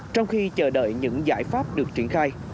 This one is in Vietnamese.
trong khi chờ đợi những giải pháp được triển khai